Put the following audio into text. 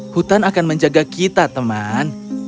hutan akan menjaga kita teman